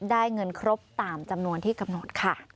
ได้เงินครบตามจำนวนที่กำหนดค่ะ